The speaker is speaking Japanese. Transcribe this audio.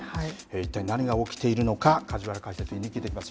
一体何が起きているのか梶原解説委員に聞いてみます。